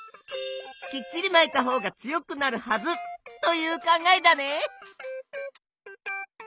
きっちりまいたほうが強くなるはずという考えだね。